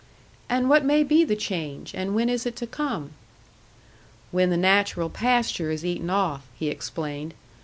"And what may be the change, and when is it to come?" "When the natural pasture is eaten off," he explained.